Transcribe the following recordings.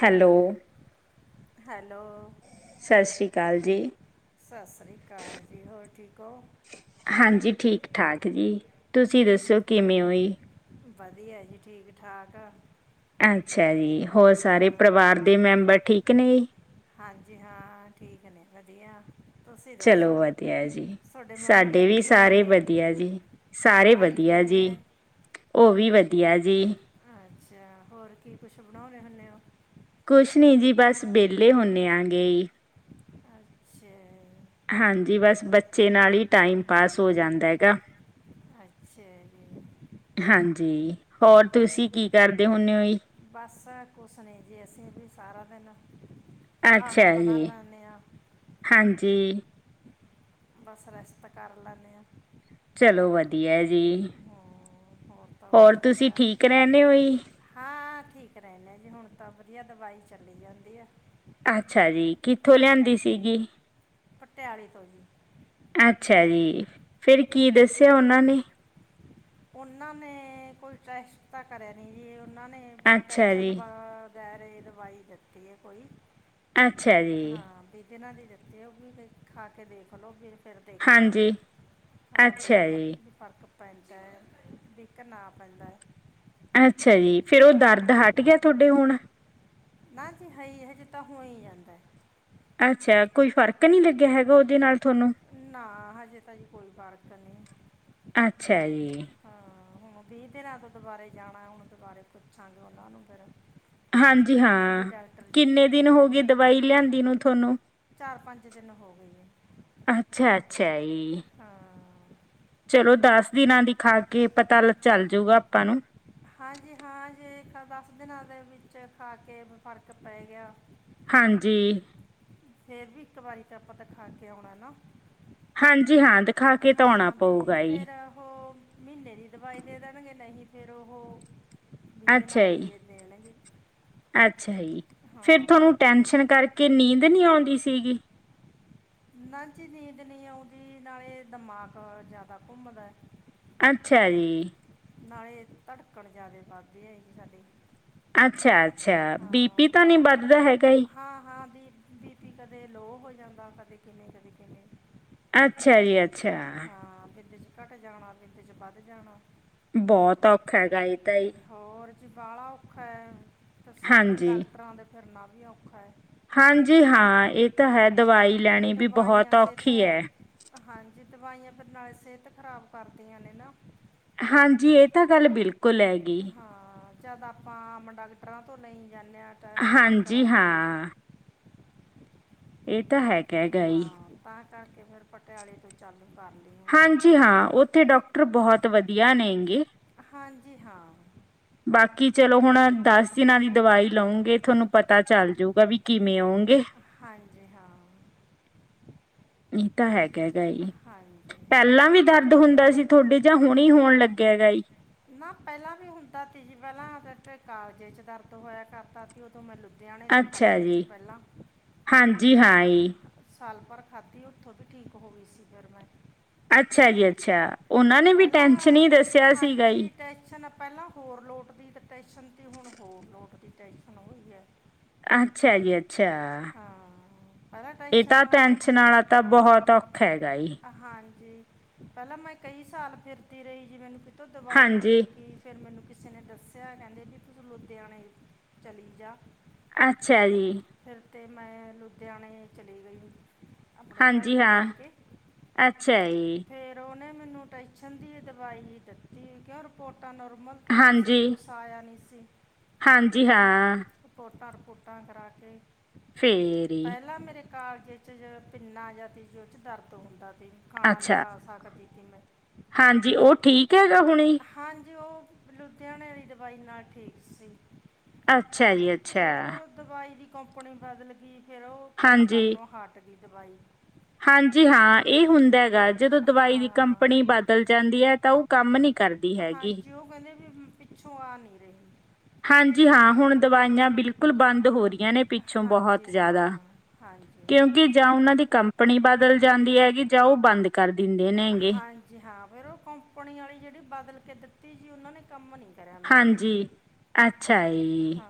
Hello. Hello. ਸਤਿ ਸ਼੍ਰੀ ਅਕਾਲ ਜੀ। ਸਤਿ ਸ੍ਰੀ ਅਕਾਲ ਜੀ ਹੋਰ ਠੀਕ ਹੋ? ਹਾਂਜੀ ਠੀਕ ਠਾਕ ਜੀ ਤੁਸੀਂ ਦੱਸੋ ਕਿਵੇਂ ਹੋਈ? ਵਧੀਆ ਜੀ ਠੀਕ ਠਾਕ ਆ। ਅੱਛਾ ਜੀ ਹੋਰ ਸਾਰੇ ਪਰਿਵਾਰ ਦੇ ਮੈਂਬਰ ਠੀਕ ਨੇ ਜੀ? ਹਾਂਜੀ ਹਾਂ ਠੀਕ ਨੇ ਵਧੀਆ। ਤੁਸੀਂ ਚਲੋ ਦੱਸੋ ਵਧੀਆ ਜੀ ਤੁਹਾਡੇ ਮੰਮੀ ਸਾਡੇ ਡੈਡੀ ਵੀ ਕਿਵੇਂ ਸਾਰੇ ਨੇ ਵਧੀਆ ਜੀ ਸਾਰੇ ਭਾਈ ਵਧੀਆ ਕਿਵੇਂ ਜੀ ਹੈ ਉਹ ਵੀ ਵਧੀਆ। ਦਆ ਜੀ। ਅੱਛਾ ਹੋਰ ਕੀ ਕੁਛ ਬਣਾਉਣੇ ਹੁੰਦੇ ਹੋ। ਕੁਛ ਨਹੀਂ ਜੀ ਬਸ ਵਿਹਲੇ ਹੁੰਦੇੇ ਆ ਗਈ। ਅੱਛਾ ਜੀ, ਹਾਂਜੀ ਬਸ ਬੱਚੇ ਨਾਲ ਹੀ ਟਾਈਮ ਪਾਸ ਹੋ ਜਾਂਦਾ ਹੈਗਾ। ਅੱਛਾ ਜੀ। ਹਾਂਜੀ ਹੋਰ ਤੁਸੀਂ ਕੀ ਕਰਦੇ ਹੁੰਦੇ ਹੋ ਜੀ। ਬਸ ਕੁਛ ਨੇ ਜੀ ਅਸੀਂ ਵੀ ਸਾਰਾ ਦਿਨ ਅੱਛਾ ਖਾਣਾ ਬਣਾ ਜੀ ਲੈਂਦੇ ਹਾਂ ਹਾਂਜੀ। ਬਸ ਰੈਸਟ ਕਰ ਲੈਂਦੇ ਆਂ। ਚਲੋ ਵਧੀਆ ਜੀ। ਹਾਂ ਹੋਰ ਤਾਂ ਸੁ ਨ ਤੁਸੀਂ ਕ ਠੀਕ ਰਹਿੰਦੇ ਹੋ ਜੀ ਹਾਂ। [unintelligible] ਠੀਕ ਰਹਿੰਦੇ ਜੀ ਹੁਣ ਤਾਂ ਵਧੀਆ ਦਵਾਈ ਚੱਲੀ ਜਾਂਦੀ ਆ। ਅੱਛਾ ਜੀ ਕਿੱਥੋਂ ਹਾਂ ਲਿਆਂਦੀ ਸੀਗੀ। ਪਟਿਆਲੇ ਤੋਂ ਜੀ। ਅੱਛਾ ਜੀ ਫੇਰ ਕੀ ਦੱਸਿਆ ਉਹਨਾਂ ਨੇ? ਉਹਨਾਂ ਨੇ ਕੋਈ ਟੈਸਟ ਤਾਂ ਕਰਿਆ ਨੀ ਜੀ ਉਹਨਾਂ ਨੇ ਵੀ ਅੱਛਾ ਜੀ ਟੈਸ਼ਨਨ ਬਾ ਵਗੈਰ ਦਵਾਈ ਦਿੱਤੀ ਹੈ ਕੋਈ ਅੱਛਾ ਜੀ। ਜਿਨਾਂ ਦੀ ਜੱਤੇ ਉਹ ਵੀ ਖਾ ਕੇ ਦੇਖ ਲਓ ਫਿਰ ਫਿਰ ਹਾਂਜੀ ਦੇਖਾਂਗੇ ਹਾਂ ਬਿਡ ਅੱਛਾ ਵ ਜੀ ਫਰਕ ਪੰਜ -ਦੇਖ ਨਾ ਆ ਪੈਂਦਾ ਏ। ਅੱਛਾ ਜੀ, ਫੇਰ ਉਹ ਦਰਦ ਹਟ ਗਿਆ ਤੁਹਾਡੇ ਹੁਣ? ਨਾ ਜੀ ਹ ਇਹ ਜਿ ਤਾਂ ਹੋਈ ਜਾਂਦਾ। ਅੱਛਾ ਕੋਈ ਫ਼ਰਕ ਨਹੀਂ ਲੱਗਿਆ ਹੈਗਾ ਓਦੇ ਨਾਲ? ਤੁਹਾਨੂੰ ਨਾ ਹਜੇ ਤਾਂ ਨੀ ਕੋਈ ਫਰਕ ਨਹੀਂ, ਅੱਛਾ ਜੀ ਹਾਂ ਹੁਣ ਵੀਹ ਦਿਨਾਂ ਤੋਂ ਦੁਬਾਰੇ ਜਾਣਾ ਹੁਣ ਦੁਬਾਰੇ ਪੁੱਛਾਂਗੇ ਓਨਾਂ ਨੂੰ ਫੇਰ ਹਾਂਜੀ ਹਾਂ, ਕਿੰਨੇ ਕੀ ਦਿਨ ਕਹਿੰਦੇ ਹੋ ਗਏ ਨੇ ਦਵਾਈ ਲਿਆਂਦੀ ਨੂੰ ਤੁਹਾਨੂੰ? ਦਿਨ ਹੋ ਗਏ ਜੀ ਅੱਛਾ-ਅੱਛਾ ਈ ਹਾਂ ਚਲੋ ਦਸ ਦਿਨਾਂ ਦੀ ਖਾ ਕੇ ਪਤਾ ਚੱਲ ਜਊਗਾ ਆਪਾਂ ਨੂੰ ਹਾਂਜੀ ਹਾਂ ਜੇ ਦਸ ਦਿਨਾਂ ਦੇ ਵਿੱਚ ਖਾ ਕੇ ਫ਼ਰਕ ਪੈ ਗਿਆ ਹਾਂਜੀ। ਫੇਰ ਵੀ ਇੱਕ ਵਾਰੀ ਤੇ ਆਪਾਂ ਤਾਂ ਖਾ ਕੇ ਆਉਣਾ ਨਾ ਹਾਂਜੀ ਹਾਂ ਦਿਖਾ ਕੇ ਧ ਆਣਾ ਹਾਂ ਵੀ ਪਊਗਾ ਈ ਫਿਰ ਉਹ ਮਹੀਨੇ ਦੀ ਦਵਾਈ ਦੇ ਦੇਣਗੇ ਨਹੀਂ ਵੀਹ ਤੇ ਅੱਛਾ ਨਾਲਚ ਜੀ ਦੇਣਗੇ ਅੱਛਾ ਜੀ ਫਿਰ ਹਾਂ ਪਰ ਤੁਹਾਨੂੰ ਟੈਸ਼ਨ ਕਰਕੇ ਨੀਂਦ ਨਹੀਂ ਆਉਂਦੀ ਸੀਗੀ? ਨਾ ਜੀ ਨੀਂਦ ਨਹੀਂ ਆਉਂਦੀ ਨਾਲੇ ਦਿਮਾਗ ਜਿਆਦਾ ਘੁੰਮਦਾ ਏ। ਅੱਛਾ ਜੀ ਨਾਲੇ ਧੜਕਣ ਜਿਆਦਾ ਵੱਧਦੀ ਹੈ ਜ ਸਾਡੇ ਅੱਛਾ-ਅੱਛਾ, ਬੀ-ਪੀ ਤਾਂ ਨੀ ਦਿਮਾਗ ਵੱਧਦਾ ਹੈਗਾ ਈ ਹਾਂ ਹਾਂ ਬੀ ਬੀ-ਪੀ ਕਦੇ ਲੋਹ ਹੋ ਜਾਂਦਾ ਕਦੇ ਕਿਨੇ ਤਰੀਕੇ ਨੇ ਅੱਛਾ ਜੀ, ਅੱਛਾ ਹਾਂ ਬਿੰਦ 'ਚ ਘਟ ਜਾਣਾ ਬਿੰਦ 'ਚ ਵੱਧ ਜਾਣਾ ਬਹੁਤ ਔਖਾ, ਹੈਗਾ ਤਾਈ ਬਾਲਾ ਔਖਾ ਹੈ ਤੇ ਸਧ ਹਾਂਜੀ ਡਾਕਟਰਾਂ ਦੇ ਫਿਰਨਾ ਵੀ ਔਖਾ ਹੈ ਹਾਂਜੀ ਹਾਂ ਇਹ ਤਾਂ ਹੈ ਦਵਾਈ ਤੇ ਲੈਣੀ ਵੀ ਬਹੁਤ ਦਵਾਈਆਂ ਸਿਹਤ ਔਖੀ ਹੈ ਹਾਂਜੀ, ਦਵਾਈਆਂ ਫਿਰ ਨਾਲੇ ਸਿਹਤ ਖ਼ਰਾਬ ਕਰਦੀਆਂ ਨੇ ਨਾ। ਹਾਂਜੀ, ਇਹ ਤਾਂ ਗੱਲ ਬਿਲਕੁਲ ਹੈਗੀ। ਹਾਂ ਜਦ ਆਪਾਂ ਆਮ ਡਾਕਟਰਾਂ ਤੋਂ ਨਹੀਂ। ਜਾਂਨੇ ਆਂ ਟੈਸਟ ਹਾਂਜੀ ਕਰਾਉਣ ਹਾਂ ਇਹ ਤਾਂ ਹੈ ਕ ਹੈਗਾ। ਹਾਂ ਤਾਂ ਕਿ ਫੇਿਰ ਪਟਿਆਲੇ ਤੋਂ ਚੱਲ ਕਰ ਲਈ ਹੁਣ ਹਾਂਜੀ ਹਾਂ, ਉਥੇ ਡਾਕਟਰ ਬਹੁਤ ਵਧੀਆ ਨੇਂ ਗੇ। ਹਾਂਜੀ ਹਾਂ। ਬਾਕੀ ਚਲੋ ਹੁਣ, ਦਸ- ਦਿਨਾਂ ਦੀ ਦਵਾਈ ਲਊਂਗੇ ਤੁਹਾਨੂੰ ਪਤਾ ਚੱਲ ਜੂਗਾ ਵੀ ਕਿਵੇਂ ਆਉਂਗੇ। ਹਾਂਜੀ ਹਾਂ ਇਹ ਤਾਂ ਹੈ। ਹੈਗਾ ਹੀ, ਹਾਂਜੀ ਪਹਿਲਾਂ ਵੀ ਦਰਦ ਹੁੰਦਾ ਸੀ ਤੁਹਾਡੇ ਜਾਂ ਹੁਣੇ ਹੋਣ ਲੱਗਿਆ ਹੈਗਾ ਈ। ਨਾ ਪਹਿਲਾਂ ਵੀ ਹੁੰਦਾ ਸੀ ਜੀ, ਪਹਿਲਾਂ ਵਿਚ ਕਾਲਜੇ ਚ ਦਰਦ ਹੋਇਆ ਕਰਤਾ ਸੀ ਉਦੋਂ ਮੈਂਨੁ ਅੱਛਾ ਜੀ, ਹਾਂਜੀ, ਹਾਂ ਈ। ਸਾਲ ਭਰ ਖਾਧੀ, ਉੱਥੋਂ ਵੀ ਠੀਕ ਹੋ ਗਈ ਸੀ ਫਿਰ ਮੈਂ। ਅੱਛਾ ਜੀ, ਅੱਛਾ, ਉਹਨਾਂ ਨੇ ਵੀ ਟੈਸ਼ਨ ਹੀ ਦੱਸਿਆ ਸੀਗਾ। ਜੇ ਜੀ ਟੈਸ਼ਨ ਪਹਿਲਾਂ ਹੋਰ ਲੋਟਦੀ ਤੇ ਟੈਸ਼ਨ ਤਾਂ ਹੁਣ ਹੋਰ ਲੋਟਦੀ। ਸੁਣ ਹੋਈ ਹੈ [unintelligible] ਅੱਛਾ ਜੀ ਅੱਛਾ, ਹਾਂ ਪਹਿਲਾਂ ਇਹ ਟੈਨਸ਼ਨ ਤਾਂ ਟੈਨਸ਼ਨ ਹੁੰਦੀ ਵਾਲਾ ਤਾਂ ਬਹੁਤ ਔਖਾ ਹੈਗਾ ਈ। ਜੀ, ਪਹਿਲਾਂ ਮੈਂ ਕਈ ਸਾਲ ਫਿਰਦੀ ਰਹੀ ਜੀ ਮੈਨੂੰ ਪ ਦਵਾਈ ਨੀ ਹਾਂਜੀ ਲੱਗੀ ਫੇਿਰ ਮੈਨੂੰ ਕਿਸੇ ਨੇ ਦੱਸਿਆ, ਕਹਿੰਦੇ ਵੀ ਤੁ ਲੁਧਿਆਣੇ ਚਲੀ ਜਾ। ਅੱਛਾ ਜੀ। ਫਿਰ ਤੇ ਮੈਂ ਲੁਧਿਆਣੇ ਚਲੀ ਗਈ। ਆਪਣੇ ਭਾਈ ਹਾਂਜੀ ਨੂੰ ਹਾਂ, ਲੈ ਕੇ ਅੱਛਾ ਜੀ। ਫਿਰ ਉਹਨੇ ਮੈਨੂੰ ਟੈਸ਼ਨ ਦੀ ਦਵਾਈ ਹੀ ਜੀ ਕਿਆ ਰਿਪੋਰਟ ਪੋਟਾਂ ਨੋਰਮਲ ਦੀਆਂ, ਕਿਸੇ ਚ ਹਾਂਜੀ ਕੁਛ ਆਇਆ ਨਹੀਂ ਸੀ ਹਾਂਜੀ ਹਾਂ ਰਿਪੋਟਾ ਫੋਟਾਂ ਕਰਾ ਕੇ। ਫੇਰੀ। ਕਾਲਜੇ਼ ਚ ਪਿੰਨਾ ਜਾਂ ਤੀਜਓ ਚ ਦਰਦ ਹੁੰਦਾ ਖਾਣਾ ਨਹੀਂ ਅੱਛਾ ਖਾ ਸਕਦੀ। ਸੀ ਮੈਂ ਹਾਂਜੀ, ਉਹ ਠੀਕ ਹੈਗਾ ਹੁਣੇ? ਹਾਂਜੀ, ਉਹ ਲੁਧਿਆਣੇ ਆਲੀ ਦਵਾਈ ਨਾਲ ਠੀਕ ਸੀ। ਅੱਛਾ ਜੀ ਤੇ ਅੱਛਾ। ਉਹ ਦਵਾਈ ਦੀ ਕੰਪਨੀ ਬਦਲ ਗਈ। ਫੇਰ ਉਹ ਕੰਮ ਹਾਂਜੀ। ਕਰਨੋ ਹੱਟ। ਦੀ ਦਵਾਈ। ਹਾਂਜੀ ਹਾਂ ਇਹ ਹੁੰਦਾ ਹੈਗਾ ਜਦੋਂ ਦਵਾਈ ਦੀ ਹਾਂ ਕੰਪਨੀ ਬਦਲ ਜਾਂਦੀ ਹੈ ਤਾਂ ਉਹ ਕੰਮ। ਕੰਮ ਨੀ ਕਰਦੀ ਹੈਗੀ। ਹਾਂਜੀ ਉਹ ਕਹਿੰਦੇ ਵੀ ਪਿੱਛੋਂ ਆ ਨਹੀਂ ਰਹੇ। ਹਾਂਜੀ ਹਾਂ ਹੁਣ ਦਵਾਈਆਂ ਬਿਲਕੁਲ ਬੰਦ ਹੋ ਰਹੀਆਂ ਨੇ ਪਿੱਛੋਂ ਹਾਂਜੀ ਬਹੁਤ ਜ਼ਿਆਦਾ ਹਾਂ ਹਾਂਜੀ ਕਿਉਂਕਿ ਜਾਂ ਉਹਨਾਂ ਦੀ ਕੰਪਨੀ ਬਦਲ ਜਾਂਦੀ ਹੈਗੀ ਜਾਂ ਉਹ ਬੰਦ। ਕਰਦੇ। ਹਾਂਜੀ ਹਾਂ ਫੇਰ ਉਹ ਕੰਪਨੀ ਵਾਲੀ ਜਿਹੜੀ ਬਦਲ ਕੇ ਦਿੱਤੀ। ਤੇ ਉਹਨਾਂ ਨੇ। ਕੰਮ ਨਹੀਂ ਕਰਿਆ ਮੈਨੂੰ ਹਾਂਜੀ ਅੱਛਾ ਜੀ।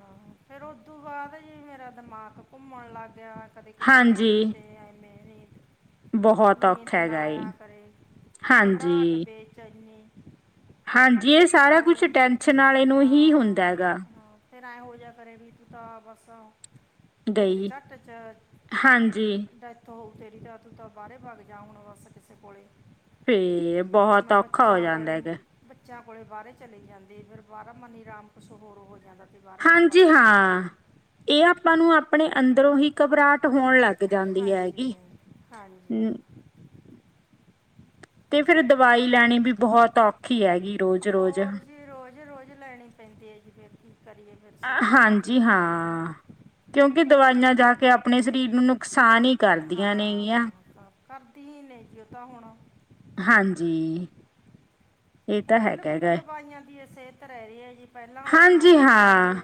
ਫੇਰ ਉਦੋਂ ਬਾਅਦ ਜੀ ਮੇਰਾ ਦਿਮਾਗ ਘੁੰਮਣ ਲੱਗ। ਗਿਆ ਕਦੇ ਕਿਤੇ ਕਦੇ ਹਾਂਜੀ ਕਿਤੇੇ ਐਵੇ। ਬਹੁਤ ਔਖਾਂ ਗਾ ਏ। ਹੂੰ ਘਬਰਾਹਟ ਹਾਂਜੀ ਵੇਚੇਣੀ। ਹਾਂਜੀ ਇਹ ਸਾਰਾ ਪਰ ਕੁਛ ਟੈਂਸ਼ਨ ਵਾਲੇ ਨੂੰ ਹਾਂ ਹੀ ਹੁੰਦਾ ਹੈ ਗਾ। ਹਾਂ, ਫਿਰ ਆਏ ਹੋ ਜਿਹਾ ਕਰੇ ਵੀ ਤਾਂ ਬੱਸੋ। ਬਿੰਦ ਗਈ। ਝੱਟ ਚ ਹਾਂਜੀ ਡੈਥ। ਤੇਰੀ ਅੱਖ ਤੋ ਤਾਂ ਬਾਹਰੇ ਵੱਗ ਜਾ ਹੁਣ ਬਸ ਕਿਸੇ। ਕਿਸੇ ਕੋਲੇ। ਫਿਰ ਫਿਰ ਬਹੁਤ ਮੈਂ ਔਖਾ ਹੋ ਬੱਚਿਆਂ ਕੋਲੇ ਜਾਂਦਾ ਗਾ। ਬੱਚਿਆਂ ਕੋਲੇ ਬਾਹਰੇ ਚਲੇ ਜਾਂਦੇ ਫਿਰ ਵਾਲਾ ਮਨੀ ਰਾਮ ਕੁਛ ਹੋਰ ਹੋ ਜਾਂਦਾ। ਤੇ ਬਾਹਰੇ ਹਵਾ ਹਾਂਜੀ ਚ ਚੜ ਹਾਂ, ਕੇ ਇਹ ਆਪਾਂ ਨੂੰ ਆਪਣੇ ਅੰਦਰੋਂ ਹੀ ਘਬਰਾਹਟ ਹੋਣ ਲੱਗ ਜਾਂਦੀ ਹੈ ਹਾਂਜੀ ਗੀ ਹਾਂਜੀ ਹੂੰ। ਤੇ ਫਿਰ ਦਵਾਈ ਲੈਣੀ ਵੀ ਬਹੁਤ ਔਖੀ ਆ ਗੀ ਰੋਜ਼ ਰੋਜ਼। ਹੋਰ ਜੀ ਰੋਜ਼ ਰੋਜ਼ ਲੈਣੀ ਪੈਂਦੀ ਹੈ ਜੀ ਫਿਰ ਕੀ ਕਰੀਏ ਫਿਰ ਸਿਹਤ ਨਹੀਂ ਹਾਂਜੀ ਠੀਕ ਹਾਂ ਰਹਿੰਦੀ ਕਿਉਂਕਿ ਦਵਾਈਆਂ ਜਾ ਕੇ ਆਪਣੇ ਸਰੀਰ ਨੂੰ ਨੁਕਸਾਨ ਹੀ ਕਰਦੀਆਂ ਹਾਂ ਹਾਂ ਨੇਗੀਆਂ। ਸਾਫ਼ ਕਰਦੀ ਹੀ ਨੇ ਜੀ ਉਹ ਤਾਂ ਹੁਣ ਹੁਣ ਹਾਂਜੀ। ਇਹ ਹੁਣ ਤਾਂ ਹੈਗਾ ਬਿਲਕੁਲ ਗਾ। ਦਵਾਈਆਂ ਦੀ ਇਹ ਸਿਹਤ ਰਹਿ ਰਹੀ ਹੈ ਜੀ ਪਹਿਲਾਂ ਵਾਲੇ ਹਾਂਜੀ ਖਾਣੇ ਨੀ ਹਾਂ, ਰਹੇ।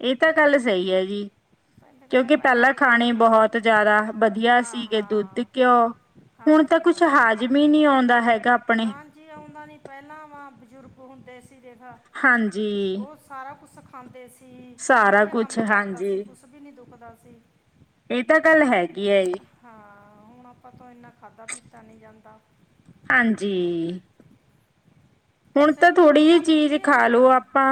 ਇਹ ਤਾਂ ਗੱਲ ਸਹੀ ਹੈ ਜੀ। ਪਹਿਲਾਂ ਕਹਿੰਦਾ ਕਿਉਂਕਿ ਪਹਿਲਾਂ ਵਾਲੇ ਖਾਣੇ ਖਾ- ਬਹੁਤ ਜ਼ਿਆਦਾ ਵਧੀਆ ਹਾਂ ਸੀਗੇ, ਦੁੱਧ ਘਿਓ ਹੁਣ। ਕੁਛ ਹਾ ਹਾਜ਼ਮ ਹੀ ਨਹੀਂ ਆਉਂਦਾ ਹੈਗਾ ਆਪਣੇ ਨਾ ਜੀ, ਆਉਂਦਾ ਨੀ ਪਹਿਲਾਂ ਵਾਂ ਬਜ਼ੁਰਗ ਹੁੰਦੇ ਸੀ। ਖ ਹਾਂਜੀ ਉਹ ਸਾਰਾ ਕੁਛ ਸਾ ਹਾਂਦੇ। ਸਾਰਾ ਕੁਛ ਹਾਂਜੀ। ਬਦਲਸੀ। ਇਹ ਤਾਂ ਗੱਲ ਹੈਗੀ ਹੈ ਜ ਹਾਂ ਹੁਣ ਆਪਾਂ ਤ ਇੰਨਾ ਖਾਧਾ ਪੀਤਾ। ਤਾਂ ਨਹੀਂ ਜਾਂਦਾ। ਹਾਂਜੀ ਕਿਉਂ ਹੁਣ ਤਾਂ ਸਿਹਤ ਥੋੜ੍ਹੀ ਜਿ ਚੀਜ਼ ਚੱਲਦੀ ਹੀ ਖਾ ਲੋ ਨਹੀਂ ਆਪਾਂ,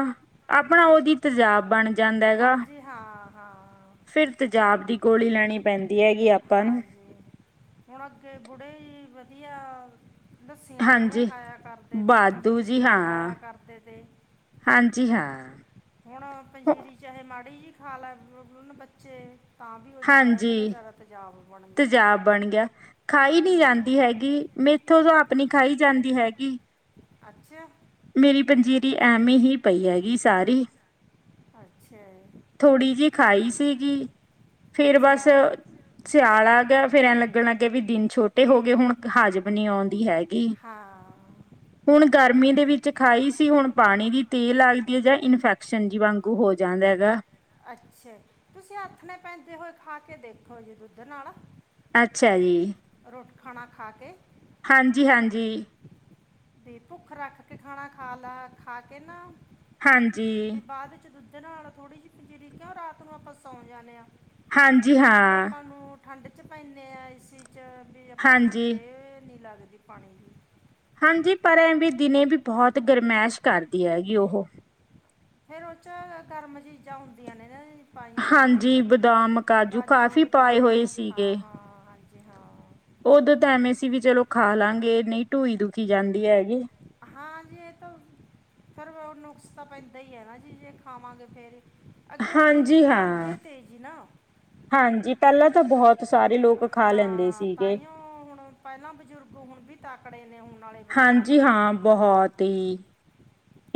ਆਪਣਾ ਓਹਦੀ ਤੇਜਾਬ ਬਣ ਜਾਂਦਾ ਹੈ ਗਾ, ਹਾਂਜੀ ਹਾਂ ਹਾਂ ਫਿਰ ਤੇਜਾਬ ਦੀ ਗੋਲੀ ਲੈਣੀ ਪੈਂਦੀ ਹੈਗੀ ਆਪਾਂ ਨੂੰ ਹਾਂਜੀ ਅ ਆ। ਲੱਸੀਆਂ, ਦਹੀਆਂ ਹਾਂਜੀ ਖਾਇਆ ਕਰਦੇ ਤੇ, ਵਾਧੂ ਜੀ ਪੰਜੀਰੀਆਂ ਹਾਂ ਖਾਇਆ ਕਰਦੇ ਤੇ, ਹਾਂਜੀ ਹਾਂ ਹੁਣ ਪੰਜੀਰੀ ਚਾਹੇ ਮਾੜੀ ਜੀ ਹਾਲਾਨ ਬੱਚੇ। ਤਾਂ ਵੀ ਉਹਦੀ ਕਹਿ ਦਿੰਦੇ ਨੇ ਹਾਂਜੀ, ਸਾਰਾ ਤੇਜ਼ਾਬ ਬਣ ਗਿਆ ਤੇਜ਼ਾਬ ਬਣ ਗਿਆ ਖਾਈ ਨਹੀਂ ਹੂੰ ਜਾਂਦੀ ਹੈਗੀ ਮੇਥੋਂ ਤੋਂ ਆਪਣੀ ਖਾਈ ਜਾਂਦੀ ਹੈਗੀ। ਅੱਛਾ। ਮੇਰੀ ਪੰਜੀਰੀ ਐਵੇਂ ਹੀ ਪਈ ਹੈਗੀ ਸਾਰੀ। ਅੱਛਾ ਥੋੜ੍ਹੀ ਜਿਹੀ ਖਾਈ ਸੀਗੀ, ਫੇਰ ਅੱਛਾ ਬਸ ਸਿਆਲ ਆ ਗਿਆ, ਫੇਰ ਐਂ ਲੱਗਣ-ਲੱਗੇ ਵੀ ਦਿਨ ਛੋਟੇ ਹੋ ਗਏ ਹੁਣ। ਹਾਜ਼ਮ ਨੀ ਆਉਂਦੀ ਹੈਗੀ। ਹਾਂ ਹੁਣ ਗਰਮੀ ਦੇ ਵਿੱਚ ਖਾਈ ਸੀ, ਹੁਣ ਪਾਣੀ ਦੀ ਤੇਲ ਲੱਗਦੀ ਹੈ ਜਾਂ ਇਨਫੈਕਸ਼ਨ ਜੀ ਵਾਂਗੂ ਹੋ ਜਾਂਦਾ ਹੈਗਾ। ਅੱਛਾ, ਤੁਸੀਂ ਹੱਥਣੇ ਪੈਂਦੇ ਹੋਏ ਖਾ ਕੇ ਦੇਖੋ ਜੇ ਦੁੱਧ ਨਾਲ ਅੱਛਾ ਜੀ। ਟ ਖਾਣਾ ਖਾ ਕੇ। ਹਾਂਜੀ-ਹਾਂਜੀ। ਤੇ ਭੁੱਖ ਰੱਖ ਕੇ ਖਾਣਾ ਖਾ ਲੈ, ਖਾ ਕੇ ਨਾ ਹਾਂਜੀ। ਅਤੇ ਨਾਲ ਥੋੜ੍ਹੀ ਜਿਹੀ ਪਜੀਰੀ ਕਿਉਂ ਰਾਤ ਨੂੰ ਆਪਾਂ ਸੌਂ ਜਾਂਦੇ ਹਾਂ। ਹਾਂਜੀ ਹਾਂ। ਠੰਡ ਚ ਪੈਂਦੇ ਆਏ ਸੀ। ਚ ਵੀ ਆਪਾਂ ਨੂੰ ਤੇ ਹਾਂਜੀ। ਲੱਗਦੀ ਪਾਣੀ ਦੀ ਹਾਂਜੀ ਪਰ ਐਵੇ ਵੀਂ ਦਿਨੇ ਵੀ ਬਹੁਤ ਗਰਮੈਸ਼ ਕਰਦੀ ਹੈਗੀ ਉਹ ਫੇਰ ਉਹ ਚ ਗਰਮ ਚੀਜ਼ਾਂ ਹੁੰਦੀਆਂ ਨੇ ਨਾ। ਪਾਈਆਂ ਹੋਈਆਂ ਹਾਂਜੀ, ਬਦਾਮ ਕਾਜੂ ਕਾਫ਼ੀ ਪਾਏ ਬਦਾਮ ਹੋਏ ਸੀਗੇ, ਹਾਂ ਹਾਂ ਹਾਂਜੀ ਹਾਂ ਉਦੋਂ ਤਾਂ ਐਵੇਂ ਸੀ ਵੀ ਚਲੋ ਖਾ ਲਾਂਗੇ ਨਹੀਂ ਟਢੂਈ ਦੂ ਜਾਂਦੀ ਹੈਗੀ। ਹਾਂ ਜੀ ਇਹ ਤਾਂ ਫਿਰ ਨੁਕਸ ਤਾਂ ਪੈਂਦਾ ਹੀ ਹੈ ਨਾ ਜੀ ਜੇ ਖਾਵਾਂਗੇ ਫੇਰ। ਅੱਗੇ ਬਜ਼ੁਰਗ ਹਾਂਜੀ ਹਾਂ ਖਾਂਦੇ ਤੇਜ ਨਾ ਹਾਂਜੀ, ਪਹਿਲਾਂ ਤਾਂ ਬਹੁਤ ਸਾਰੇ ਲੋਕ ਖਾ ਲੈਂਦੇ ਹਾਂ ਸੀਗੇ ਤਾਂਹੀਓ ਹੁਣ ਪਹਿਲਾਂ ਬਜ਼ੁਰਗ ਹੁਣ ਵੀ ਤਾਕੜੇ ਨੇ ਹੁਣ ਵਾਲੇ ਬੱਚਿਆਂ ਹਾਂਜੀ, ਨਾਲੋਂ ਹਾਂ। ਬਹੁਤ ਈ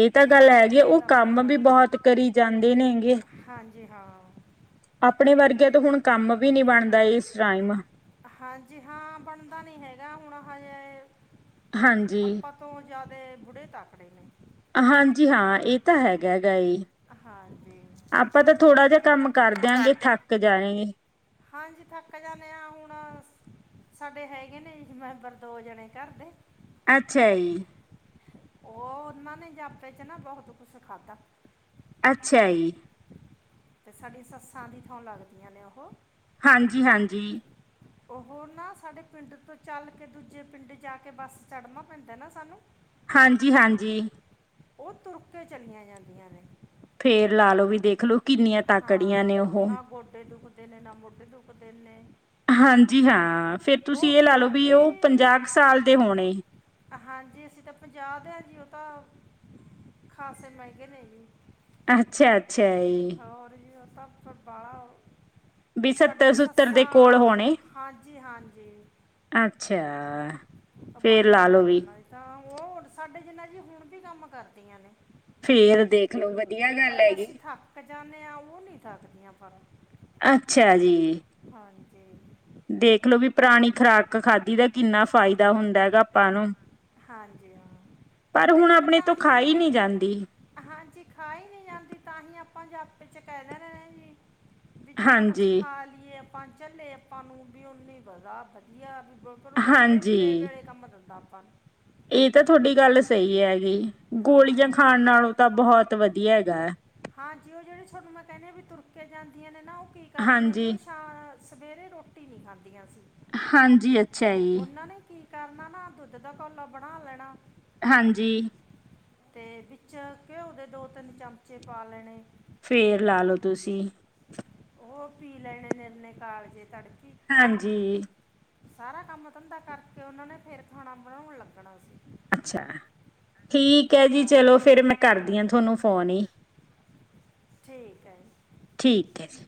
ਇਹ ਉਹ ਤਾਂ ਗੱਲ ਖਾਣੇ ਹੈ ਜੀ। ਪੀਣੇ ਉਹ ਦਾ ਫਰਕ ਕੰਮ ਵੀ ਆ ਬਹੁਤ ਕਰੀ ਜਾਂਦੇ ਨੇਂਗੇ, ਹਾਂਜੀ ਹਾਂ ਅਪਣੇ ਵਰਗਿਆਂ ਤੋਂ ਹੁਣ ਮ ਵੀ ਨੀ ਬਣਦਾ ਇਸ ਰਾਈਮ ਹਾਂਜੀ- ਹਾਂ, ਬਣਦਾ ਨੀ ਹੈਗਾ ਹੁਣ ਹਜੇ ਹਾਂਜੀ ਅਪਾਂ ਤੋਂ ਜਿਆਦੇ ਬੁੜੇ ਤਾਕੜੇ ਨੇ ਹਾਂਜੀ, ਹਾਂ। ਇਹ ਤਾਂ ਹੈਗਾਐਗਾ ਏ ਹੀ। ਹਾਂਜੀ ਆਪਾਂ ਤਾਂ ਥੋੜ੍ਹਾ ਜੇਆ ਕੰਮ ਕਰ ਦਿਆਂਗੇ, ਥੱਕ ਜਾਯ ਹਾਂਜੀ, ਥੱਕ ਜਾਂਦੇ ਆ। ਹੁਣ ਸਾਡੇ ਹੈਗੇ ਨੇ ਮੈਂਬਰ, ਦੋ ਜਣੇ ਘਰ ਦੇ ਅੱਛਾ ਈ। ਓਹ, ਓਨਾਂ ਨੇ ਜਾਪੇ ਚ ਨਾ, ਬਹੁਤ ਕੁਸ ਖਾਧਾ ਅੱਛਾ ਈ। ਤੇ ਸਾਡੀ ਸੱਸਾਂ ਦੀ ਥੋਂ ਲੱਗਦੀਆਂ ਨੇ ਓਹ ਹਾਂਜੀ, ਹਾਂਜੀ। ਓਹ ਨਾ, ਸਾਡੇ ਪਿੰਡ ਤੋਂ ਚੱਲ ਕੇ, ਦੂਜੇ ਪਿੰਡ ਜਾ ਕੇ, ਬੱਸ ਚੜ੍ਹਨਾ ਪੈਂਦਾ ਨਾ ਸਾਨੂੰ ਹਾਂਜੀ, ਹਾਂਜੀ ਓ ਤੁਰ ਕੇ ਚਲੀਆਂ ਜਾਂਦੀਆਂ ਨੇ ਫੇਰ ਲਾਲੋ ਵੀ ਦੇਖ ਲੋ। ਕਿੰਨੀਆਂ ਤਾਕੜੀਆਂ ਨੇ ਹਾਂ ਓਹ ਨਾ ਗੋਡੇ ਦੁਖਦੇ ਹਾਂ ਫਿਰ ਤੁਸੀਂ ਇਹ ਲਾ ਲਓ ਵੀ ਉਹ ਪੰਜਾਹ ਕੁ ਸਾਲ ਦੇ [inaudible] ਹੋਣੇ [inaudible] ਅੱਛਾ, ਅੱਛਾ ਏ ਹੋਰ [inaudible] ਸੱਤਰ ਸਾਡੀਆਂ ਸੁੱਤਰ ਸੱਸਾਂ ਦੇ ਕੋਲ ਹੋਣੇ ਹਾਂਜੀ- ਹਾਂਜੀ, ਅੱਛਾ ਫੇਰ ਬਾਹਲੀ ਲਾ ਉਮਰ ਹੈ ਲਓ ਜੀ ਵੀ ਓਨਾ ਦੀ ਤਾਂ, ਉਹ ਸਾਡੇ ਜਿੰਨਾ ਜੀ ਹੁਣ ਵੀ ਕੰਮ ਕਰਦੀਆਂ ਨੇ ਫੇਰ--ਦੇਖਲੋ ਵਧੀਆ ਗੱਲ ਐਗੀ। ਓ ਨੀ ਥੱਕਦੀਆਂ ਪਰ ਅੱਛਾ ਜੀ। [inaudible] ਦੇਖਲਓ ਵੀ, ਪੁਰਾਣੀ ਖਰਾਕ ਖਾਧੀ ਦਾ ਕਿੰਨਾ ਫਾਇਦਾ ਹੁੰਦਾ ਹੈਗਾ ਅਪਾਂ ਨੂੰ, ਹਾਂਜੀ ਹਾਂ ਪਰ ਤੇ ਹੁਣ ਇੱਕ ਆਪਣੇ ਤਾਂ ਤੋਂ ਖਾ ਹੀ ਨਹੀਂ ਜਾਂਦੀ। ਹਾਂਜੀ ਖਾ ਹੀ ਨਹੀਂ ਜਾਂਦੀ [inaudible] ਹਾਂਜੀ। ਏ, ਅਪਾਂ ਚੱਲੇ ਅਪਾਂ ਨੂੰ ਵੀ ਓਨੀ ਬਦਾ ਵਧੀਆ ਵੇ [inaudible] [unintelligible] ਏਹ ਤਾਂ ਤੁਹਾਡੀ ਗੱਲ ਸਹੀ ਹੈਗੀ, ਗੋਲੀਆਂ ਖਾਣ ਹਾਂ ਨਾਲੋਂ ਤਾਂ ਬਹੁਤ ਵਧੀਆ ਹੈਗਾ ਐ। ਤੇ, ਜਾਂਦੀਆਂ ਨੇ ਨਾ ਓਂ ਕਰਦੀਆਂ ਜੋ ਸ਼ਾ ਸਵੇਰੇ ਰੋਟੀ ਨੀ ਖਾਦ ਹਾਂਜੀ, ਅੱਛਾ ਜੀ। ਉਹਨਾਂ ਨੇ ਕੀ ਕਰਨਾ ਨਾ, ਦੁੱਧ ਦਾ ਕੋਲਾ ਬਣਾ ਲੈਣਾ। ਹਾਂਜੀ ਤੇ ਵਿੱਚ ਘਿਓ ਦੇ ਦੋ-ਤਿੰਨ ਚਮਚੇ ਪਾ ਲੈਣੇ। ਫੇਰ ਲਾ ਲੋ ਤੁਸੀਂ। ਓਹ ਪੀ ਲੈਣੇ ਨਿਰਨੇ ਕਾਲਜੇ ਤੁਹਾਡੇ ਹਾਂਜੀ। ਸਾਰਾ ਕੰਮ ਧੰਦਾ ਕਰਕੇ ਉਹਨਾ ਨੇ ਫੇਰ ਖਾਣਾ ਬਣਾਉਣ ਲੱਗਣਾ ਸੀ। ਅੱਛਾ ਠੀਕ ਹੈ ਜੀ, ਹਾਂ ਚਲੋ ਫੇਰ ਮੈਂ ਕਰਦੀ ਹਾਂ ਤੁਹਾਨੂੰ ਫੋਨ ਈ, ਠੀਕ ਹੈ ਜੀ ਠੀਕ ਹੈ ਜੀ।